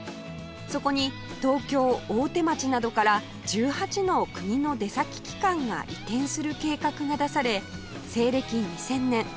そこに東京大手町などから１８の国の出先機関が移転する計画が出され西暦２０００年